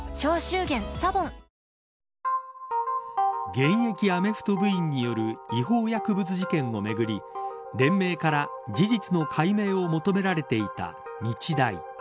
現役アメフト部員による違法薬物事件をめぐり、連盟から事実の解明を求められていた日大。